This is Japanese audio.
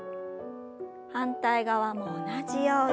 反対側も同じように。